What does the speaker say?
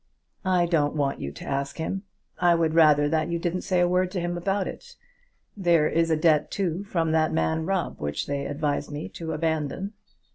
"I don't want you to ask him. I would rather that you didn't say a word to him about it. There is a debt too from that man Rubb which they advise me to abandon."